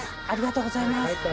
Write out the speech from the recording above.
ありがとうございます。